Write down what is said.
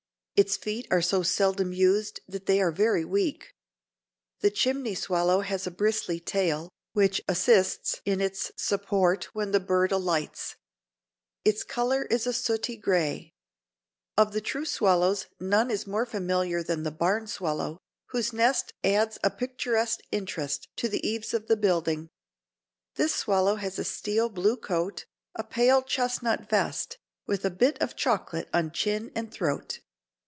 Its feet are so seldom used that they are very weak. The chimney swallow has a bristly tail, which assists in its support when the bird alights. Its color is a sooty gray. Of the true swallows none is more familiar than the barn swallow, whose nest adds a picturesque interest to the eaves of the building. This swallow has a steel blue coat, a pale chestnut vest, with a bit of chocolate on chin and throat.